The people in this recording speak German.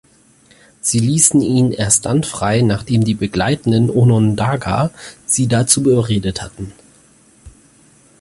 Sie ließen ihn erst dann frei, nachdem die begleitenden Onondaga sie dazu überredet hatten.